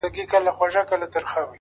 د خپل يار له وينو څوك ايږدي خالونه.!